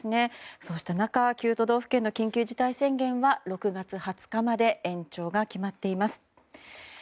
そうした中、９都道府県の緊急事態宣言は６月２０日まで延長が決まっています。